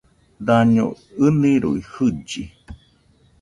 Daño ɨnɨroi jɨlli